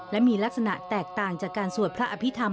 และมีลักษณะแตกต่างจากการสวดพระอภิษฐรร